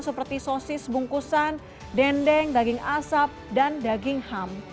seperti sosis bungkusan dendeng daging asap dan daging ham